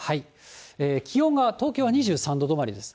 気温が東京は２３度止まりです。